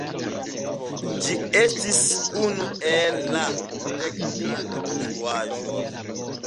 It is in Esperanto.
Ĝi estis unu el la "dek grandaj konstruaĵoj".